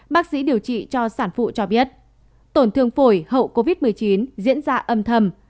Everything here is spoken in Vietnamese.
bác sĩ điều trị cho sản phụ cho biết tổn thương phổi hậu covid một mươi chín diễn ra âm thầm